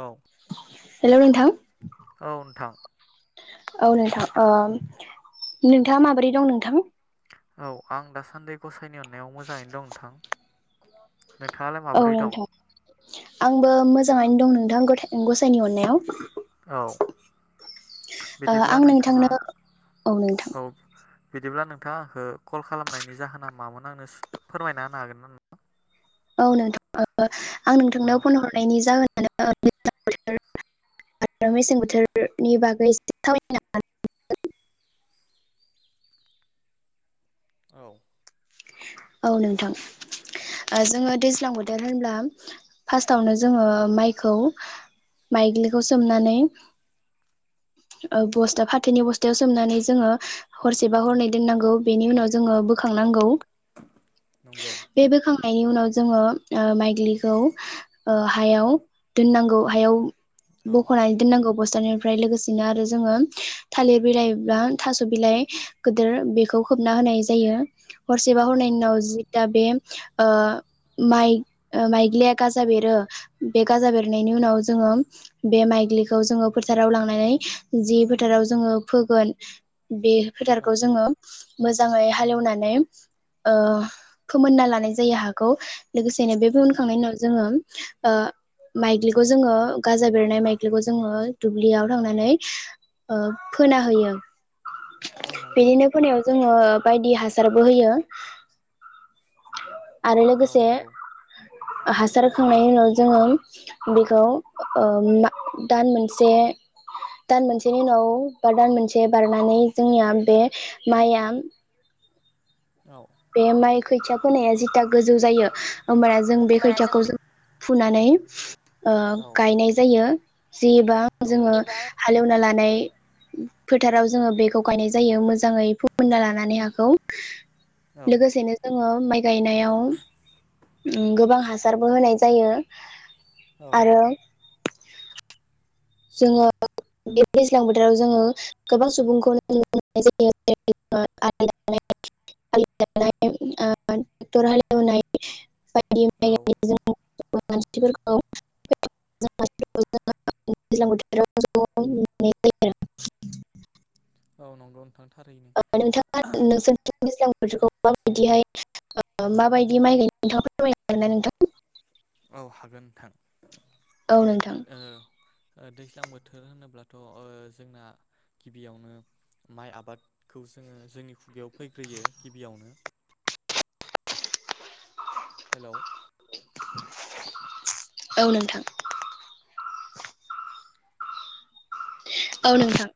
औ हेलौ नोंथां औ नोंथां। औ नोंथां नोंथाङा माबोरै दं नोंथां? औ आं दासान्दि फिथाइनि अननायाव मोजाङैनो दं नोंथां। औ नोंथ' आंबो मोजाङनो दं नों नोंथां गसाइनि अननायाव। औ ओ बिदिब्ला आं नोंथाङा नोंथांनो औ नोंथां औ बिदिब्ला नोंथाङा आंखौ कल खालामनायनि जाहोना मामोन आंनो फोरमायना होनो हागोन नामा? औ नोंथां ओ [inaudible] आं नोंथांनोाव फन हरनायनि जाहोना [inaudible] आरो मेसें बोथोरनि बागै एसे [unintelligible] औ औ नोंथां जोङो दैज्लां बोथोर होनब्ला फार्स्टावनो जोङो माइखौ माइग्लिखौ सोमनानै बस्था फाथोनि बस्थायाव सोमनानै जोङो हरसेबा हरनै दोननांगौ बेनि उनाव जोङो बोखांनांगौ बे बोखां बेनि उनाव जोङो माइग्लिखौ ओ हायाव दोननांगौ हायाव बखनानै दोननांगौ बस्थानिफ्राय लोगोस बिदिनो आरो जोङो थालिर बिलाइ बा थास बिलाइ गोदोर बेखौ खोबना होनाय जायो हरसेबा हरनैनि उनाव जिथा बेम ओह मायग माइग्लिया गाजा बेरो बे गाजा बेरनायनि उनाव जोङो बे माइग्लिखौ जोङो फोथाराव लांनानै जि फोथाराव जोङो फोगोन बे फोथारखौ जोङो मोजाङै हालेवनानै ओह फोमोनना लानाय जायो हाखौ लोगोसेनो बे फोनखांनायनि उनाव जोङो ओह माइग्लिखौ जोङो गाजा बेरनाय माइग्लिखौ जोङो दुब्लियाव थांनानै ओह फोना होयो बिदिनो फोनायाव जों उम ओ बायदि हासारबो होयो आरो लोगोसे हासार होखांनायनि उनाव जोङो बेखौ ओह मा दान मोनसे दान मोनसेनि उनाव बा दान मोनसे बारनानै जोंनिया बे माइया औ बे माइ खोथिया फोनाया जिथा गोजौ जायो होमबाना जों बे होमबाना खोथियाखौ बे जों फुनानै ओह गायनाय जायो जेबां जोङो एबा हालेवना लानाय फोथाराव जोङो बेखौ गायनाय जायो मोजाङै फोमोनना लानानै हाखौ लोगोसेनो जोङो माइ गायनायाव गोबां हासारबो होनाय जायो आरो जोङो बे दैज्लां बोथोराव जोङो गोबां सुबुंखौ नुनो मोननाय जायो आलि दाननाय टेक्टर हालेवनाय [unintelligible] मानसिफोरखौ [unintelligible] [unintelligible] औ नंगौ नोथां थारैनो जायो नोंथाङा नोंसोरनिथिं दैज्लां माबायदिहाय माबायदि माइ गायनो नोंथाङ फोरमायनो हागोन ना नोंथां [inaudible] औ हागोन नोंथां नोंथां? औ। ओह दैज्लां बोथोर होनोब्लाथ ओह जोंना गिबियावनो माइ आबादखौ जोंङो जोंनि खुगायाव फैग्रोयो गिबियावनो। हेलौ। [unintelligible] औ नोंथां। [inaudible] औ नोंथां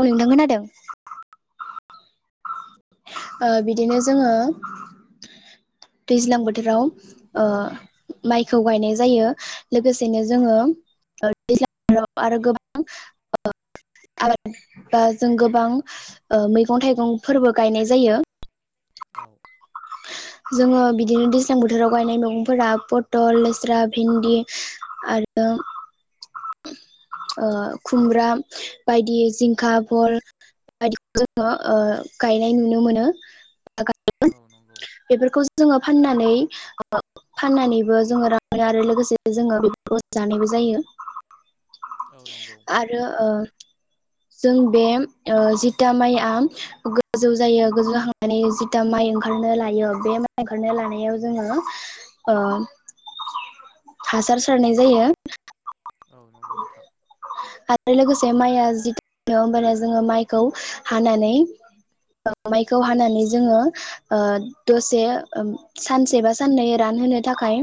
औ नोंथां खोनादों बिदिनो जोंङो दैज्लां बोथोराव अ माइ खौ गायनाय जायो लोगोसेनो जोंङो आरो गोबां आबाद बा जों गोबां मैगं थाइगं फोरबो गायनाय जायो औ जोंङो बिदिनो दैज्लां बोथोराव गायनाय मैगंफोरा पथल लेस्रा भिन्दि आरो खुमब्रा बायदि जिंखा भल बायदि जोंङो गायनाय नुनो मोनो बेफोरखौ जोंङो फाननानै फाननानैबो जोंङो रां आरो लोगोसे जोंङो बेफोरखौ जानायबो जायो आरो ओ जों बे जिथा माइआ गोजौ जायो गोजौजाखांनानै जिथा माइ ओं ओंखारनो लायो बे माइ ओंखारनो लानायाव जोंङो हासार सारनाय जायो औ नंगौ नोंथां आरो लोगोसे माइआ जि [unintelligible] जोंङो माइखौ हानानै माइखौ हानानै जोंङो दसे सानसे बा साननै रानहोनो थाखाय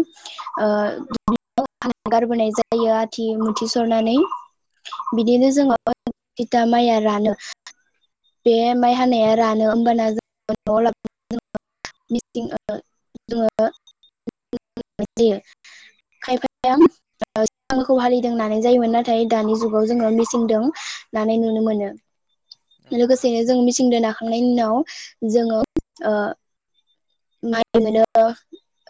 गारबोनाय जायो आथि थिसरनानै बिदिनो जोंङो जिथा माइ आरो रानो बे माइ हानाया रानो होमबाना जों नआव [unintelligible] जायो खायफाया [unintelligible] हारिदों होननाय जायोमोन नाथाय दानि जुगाव जोंङो मिसिंदों नानाय नुनो मोनो लोगोसे जों मिचिनदो नाखांनायनि उनाव जोंङो माइ मोनो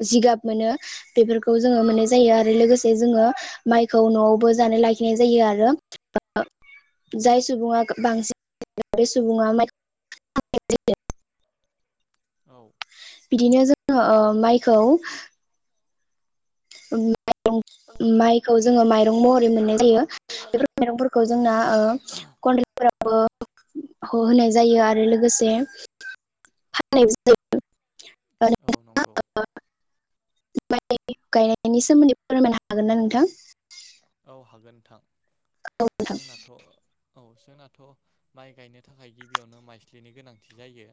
जिगाब मोनो बेफोरखौ जोङो मोननाय जायो आरो लोगोसे जोंङो माइखौ न'आवबो जानो लाखिनाय जायो आरो जाय सुबुङा बांसिन बे सुबुङा माइ जायो औ बिदिनो जोंङो माइखौ उम [unintelligible] माइखौ जोंङो माइ महरै मोननाय जायो मोननाय बेफोर माइरंफोरखौ जोंना ओ [unintelligible] फोरावबो होनाय जायो आरो लोगोसे फाननाय जायो औ नंगौ [unintelligible] गायनायनि सोमोन्दै फोरमायनो हागोन ना नोंथां औ हागोन नोंथां नोंथां जोंनाथ' औ जोंना माइ गायनो थाखाय गिबियावनो माइस्लिनि गोनांथि जायो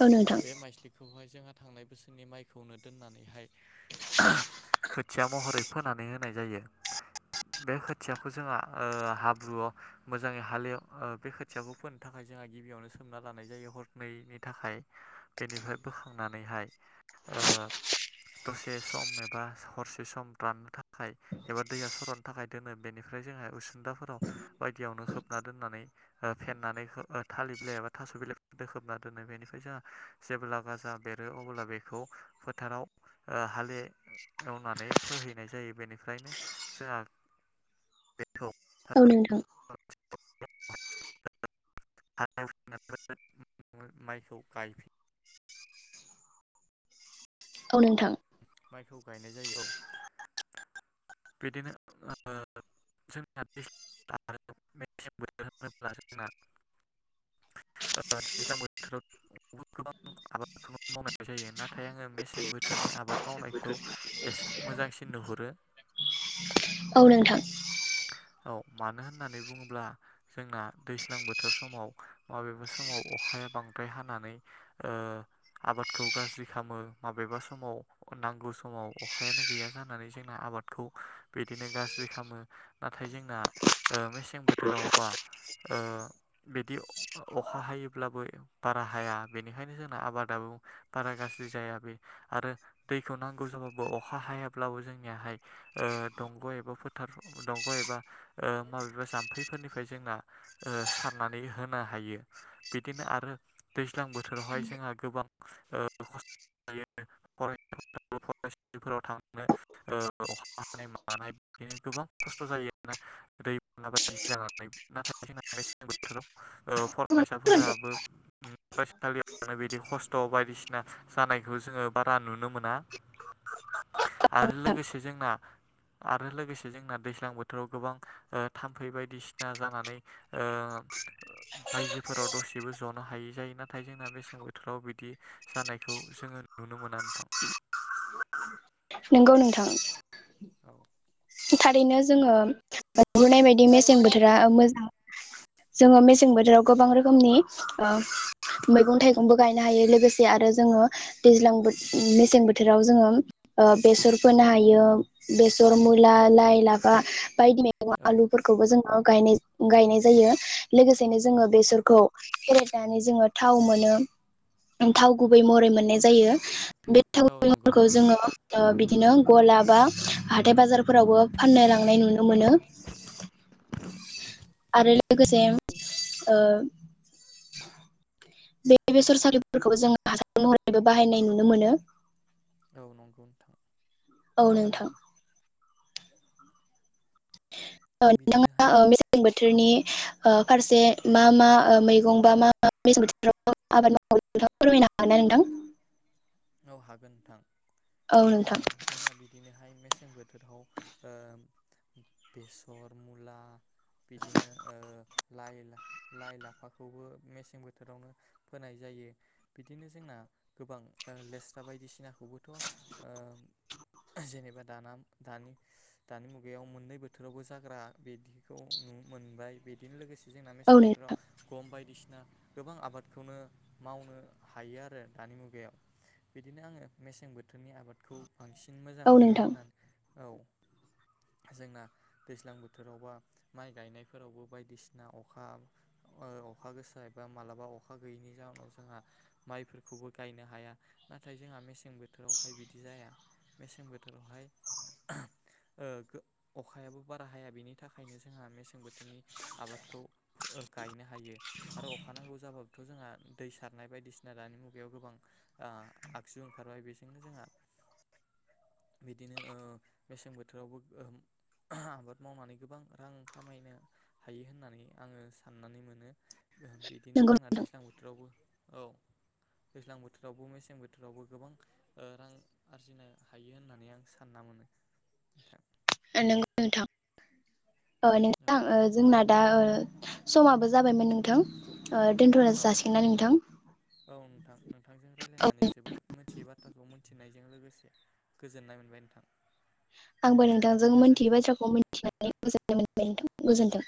औ नोंथां बे माइस्लिखौ बेवहाय जोंहा थांनाय बोसोरनि माइखौनो दोननानैहाय खोथिया महरै फोनानै होनाय जायो। बे खोथियाखौ जोंहा हाब्रुआव मोजाङै हालेव बे खोथियाखौ फोनो थाखाय जोंहा गिबियावनो सोमना लानाय जायो हरनैनि थाखाय। बेनिफ्राय बोखांनानैहाय दसे सम एबा हरसे सम राननो थाखाय एबा दैया सरननो थाखाय दोनो। बेनिफ्राय जोंहा उसुनदाफोराव बायदियावनो खोबना दोननानै फेननानै थालिर बिलाइ एबा थास' बिलाइफोरदो खोबना दोनो। बेनिफ्राय जोंहा जेब्ला गाजा बेरो अब्ला बेखौ फोथाराव हालेवनानै फोहैनाय जायो बेनिफ्रायनो जाहा बे औ नोंथां। [inaudible] [unintelligible] माइखौ गायफि औ नोंथां। माइखौ गायनाय जायो। औ बिदिनो ओ जोंना दैज्लां आरो मेसें बोथोर होनोब्ला जोंना ओ दैज्लां बोथोराव बुहुद गोबां आबादखौनो मावनाय जायो नाथाय आङो मेसें बोथोरनि आबाद मावनायखौ एसे मोजांसिन नुहुरो। औ नोंथां। औ। मानो होन्नानै बुङोब्ला जोंना दैज्लां बोथोर समाव माबेबा समाव अखाया बांद्राय हानानै ओ आबादखौ गाज्रि खालामो, माबेबा समाव नांगौ समाव अखायानो गैया जानानै जोंना आबादखौ बिदिनो गाज्रि खालामो। नाथाय जोंना ओ मेसें बोथोरावबा ओ बिदि अखा हायोब्लाबो बारा हाया, बेनिखायनो जोंना आबादाबो बारा गाज्रि जाया बे आरो दैखौ नांगौ जाबाबो अखा हायाब्लाबो जोंनियाहाय ओ दंग' एबा फोथार दंग' एबा ओ माबेबा जाम्फैफोरनिफ्राय जोंना ओ सारनानै होनो हायो। बिदिनो आरो दैज्लां बोथोरावहाय जोंहा गोबां ओ खस्थ' जायो फरायसाफ्राबो फसालिफोराव थांनो ओ अखा हानाय मानाय बिदिनो गोबां खस्थ' जायोना दै बायदिसिना जानानै नाथाय जोंना मेसें बोथोराव ओ फरायसाफोराबो ओम फरायसालियाव बिदि खस्थ' बायदिसिना जानायखौ जोङो बारा नुनो मोना आरो लोगोसे जोंना आरो लोगोसे जोंना दैज्लां बोथोराव गोबां ओ थाम्फै बायदिसिना जानानै ओ बायजोफोराव दसेबो जनो हायै जायो नाथाय जोंना बेसें बोथोराव बिदि जानायखौ जोङो नुनो मोना नोंथां। नोंगौ नोंथां। औ। थारैनो जोङो नुहुरनाय बायदि मेसें नुहुरनाय बोथोरा मोजां। जोङो मेसें बोथोराव गोबां रोखोमनि ओ मैगं थाइगंबो गायनो हायो लोगोसे आरो जोङो दैज्लां बोथ ओम मेसें बोथोराव जोङो ओ बेसर फोनो हायो बेसर मो लाइ -लाफा बायदि मैगं आलुफोरखौबो जोङो गायनाय जायो। लोगोसेनो जोङो बेसरखौ फेरेदनानै जोङो थाव मोनो थाव गुबै महरै मोननाय जायो। बे थावफोरखौ जोङो बिदिनो गला बा हाथाय बाजार फोरावबो फान्नो लांनाय नुनो मोनो आरो लोगोसे ओ बे बेसरसाग्लिफोरखौबो जों हासार महरैबो बाहायनाय नुनो मोनो। औ नंगौ नोंथां। औ नोंथां। ओ नोंथाङा ओ मेसें बोथ बोथोरनि ओ फारसे मा मा ओ मैगं बा मा मा मेसें बोथोराव आबाद मावो बे फोरमायनो हागोन ना नोंथां? औ हागोन नोंथां। औ ओ नोंथां जोंना बिदिनो हाय मेसें बोथोराव ओ बेसर मुला बिदिनो ओ लाइ -लाफाखौबो मेसें बोथोरावनो फोनाय जायो बिदिनो जोंना गोबां ओ लेस्रा बायदिसिनाखौबोथ' ओ जेनेबा दाना दानि दानि मुगायाव मोननै बोथोरावबो जाग्रा बिदिखौ नु मोनबाय बिदिनो लोगोसे जोंना औ मेसें बोथोराव नोंथां गम बायदिसिना गोबां आबादखौनो मावनो हायो आरो दानि मुगायाव। बिदिनो आङो मेसें बोथोरनि आबादखौ बांसिन मोजां औ मोनो नोंथां होननानै औ जोंना दैज्लां बोथोरावबा माइ गायनायफोरावबो बायदिसिना अखा अखा गोसा एबा मालाबा अखा गैयैनि जााहोनाव जोंहा माइफोरखौबो गायनो हाया। नाथाय जोंहा मेसें बोथोरावहाय बिदि जाया मेसें बोथोरावहाय अखायाबो बारा हाया, बेनि थाखायनो जोंहा मेसें बोथोरनि आबादखौ गायनो हायो आरो अखा नांगौ जाबाबोथ' जोंहा दै सारनाय बायदिसिना दानि मुगायाव गोबां आगजु ओंखारबाय बेजोंनो जोंहा बिदिनो मेसें बोथोरावबो आबाद मावनानै गोबां रां खामायनो हायो होननानै आङो साननानै मोनो। बिदिनो नंगौ जोंना नोंथां दैज्लां बोथोरावबो औ। [inaudible] बोथोरावबो मेसें बोथोरावबो गोबां रां आरजिनो हायो होननानै आं सानना मोनो नोंथां। आरो नोंगौ नोंथां। नोंथां जोंना दा समाबो जाबायमोन नोंथां। ओ दोनथ' औ जासिगोनना नोंथां? औ नोंथां नोंथांजों औ रायजलायनानै जोबोर मिथियै बाथ्राखौ मिथिनाय बेजों लोगोसे गोजोननाय मोनबाय नोंथां। आंबो नोंथांजों मिथियै बाथ्राखौ मिथिनानै [inaudible] गोजोनथों।